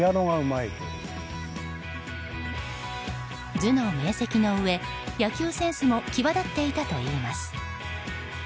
頭脳明晰のうえ野球センスも際立っていたといいます。